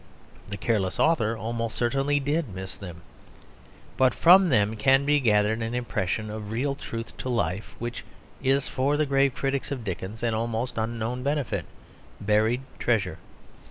The careless author almost certainly did miss them. But from them can be gathered an impression of real truth to life which is for the grave critics of Dickens an almost unknown benefit, buried treasure.